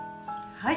はい。